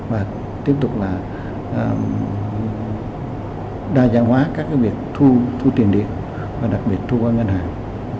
và tiếp tục là đa dạng hóa các việc thu tiền điện và đặc biệt thu qua ngân hàng